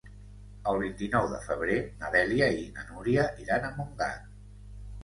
El vint-i-nou de febrer na Dèlia i na Núria iran a Montgat.